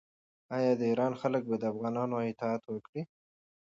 آیا د ایران خلک به د افغانانو اطاعت وکړي؟